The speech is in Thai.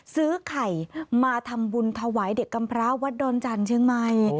ซื้อไข่มาทำบุญถวายเด็กกำพระวัดดอนจันทร์เชียงใหม่